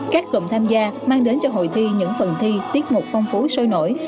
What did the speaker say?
các cùng tham gia mang đến cho hội thi những phần thi tiết mục phong phú sôi nổi